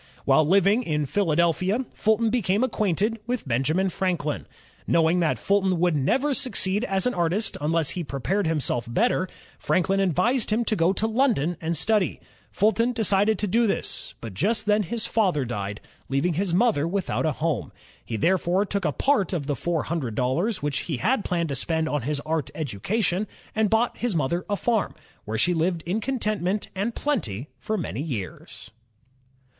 While Uving in Philadelphia, Fulton became acquainted with Benjamin Franklin. Knowing that Fulton would never succeed as an artist unless he prepared himself better, Franklin advised him to go to London and study. Fulton decided to do this; but just then his father died, leaving his mother without a home. He therefore took a part of the four hundred dollars which he had planned to spend on his art education, and bought his mother a farm, where she lived in contentment and plenty for many years.